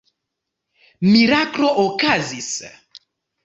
Miraklo okazis.